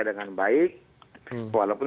dengan baik walaupun